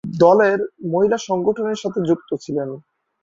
দলের মহিলা সংগঠনের সাথে যুক্ত ছিলেন।